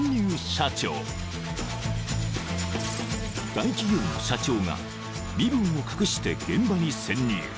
［大企業の社長が身分を隠して現場に潜入］